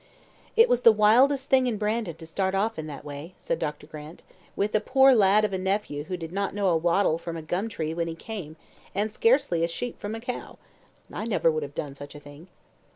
"It was the wildest thing in Brandon to start off in that way," said Grant, "with a poor lad of a nephew who did not know a wattle from a gum tree when he came, and scarcely a sheep from a cow. I never would have done such a thing."